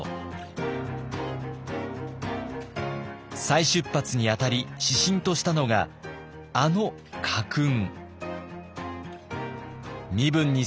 再出発にあたり指針としたのがあの家訓。